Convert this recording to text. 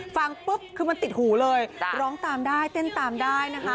ฟังปุ๊บคือมันติดหูเลยร้องตามได้เต้นตามได้นะคะ